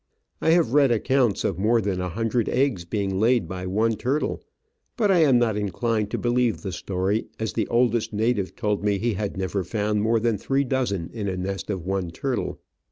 I have read accounts of more than a hundred eggs being laid by one turtle ; but I am not inclined to believe the story, as the oldest native told me he had never found more than three H Digitized by VjOOQIC 98 Travels and Adventures dozen in a nest of one turtle.